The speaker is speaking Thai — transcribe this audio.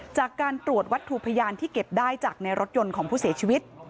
จากการตรวจวัตถุพยานที่เก็บได้จากในรถยนต์ของผู้เสียชีวิต